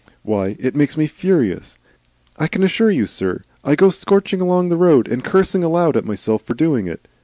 Why? It makes me furious. I can assure you, sir, I go scorching along the road, and cursing aloud at myself for doing it.